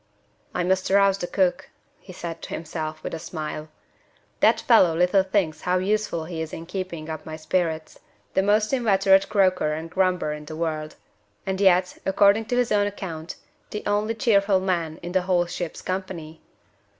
"I must rouse the cook," he said to himself, with a smile. "That fellow little thinks how useful he is in keeping up my spirits. The most inveterate croaker and grumbler in the world and yet, according to his own account, the only cheerful man in the whole ship's company.